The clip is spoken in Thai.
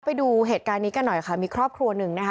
ไปดูเหตุการณ์นี้กันหน่อยค่ะมีครอบครัวหนึ่งนะคะ